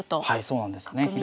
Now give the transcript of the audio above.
はいそうなんですよね。